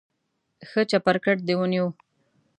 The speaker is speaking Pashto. ښه چپرکټ دې ونیو.